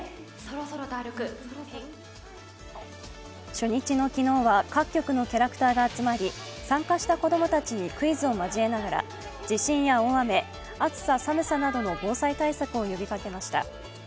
初日の昨日は、各局のキャラクターが集まり、参加した子供たちにクイズを交えながら地震や大雨、暑さ・寒さなどの防災対策を呼びかけました。